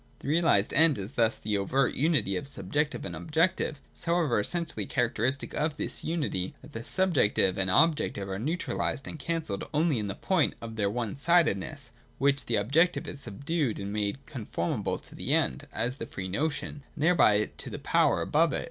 210.] The realised End is thus the overt unity of subjective and objective. It is however essentially characteristic of this unity, that the subjective and objective are neutralised and cancelled only in the point of their one sidedness, while the objective is subdued and made conformable to the End, as the free notion, and thereby to the power above it.